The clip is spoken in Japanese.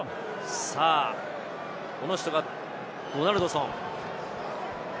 この人がドナルドソン。